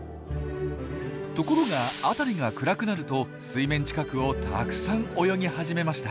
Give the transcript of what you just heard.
ところが辺りが暗くなると水面近くをたくさん泳ぎ始めました。